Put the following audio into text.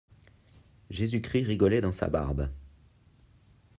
Jésus-Christ rigolait dans sa barbe.